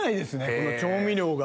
この調味料が。